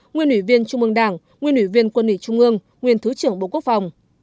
nguyên ủy viên trung ương đảng nguyên ủy viên quân ủy trung ương nguyên thứ trưởng bộ quốc phòng